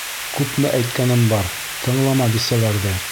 Күпме әйткәнем бар: тыңлама бисәләрҙе!